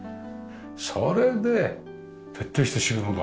それで徹底して収納が。